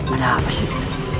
ada apa sih